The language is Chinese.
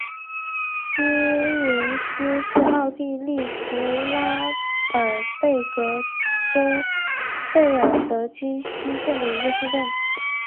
施林斯是奥地利福拉尔贝格州费尔德基希县的一个市镇。